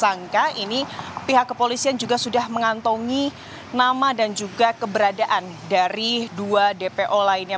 tersangka ini pihak kepolisian juga sudah mengantongi nama dan juga keberadaan dari dua dpo lainnya